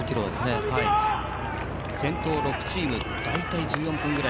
先頭６チーム大体１４分ぐらい。